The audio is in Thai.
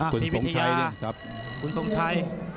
คุณทรงชัยเนี่ยครับคุณทรงชัย